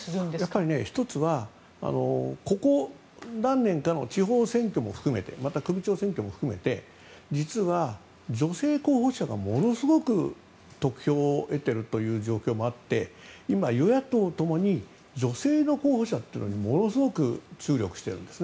やっぱり１つはここ何年かの地方選挙含めてまた首長選挙も含めて実は女性候補者がものすごく得票を得ている状況もあって今、与野党ともに女性の候補者にものすごく注力してるんです。